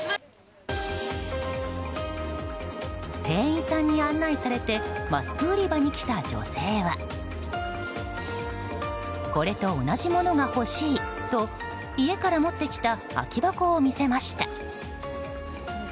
店員さんに案内されてマスク売り場に来た女性はこれと同じものがほしいと家から持ってきた空き箱を見せました。